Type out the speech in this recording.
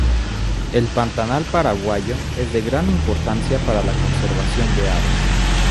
El pantanal paraguayo es de gran importancia para la conservación de aves.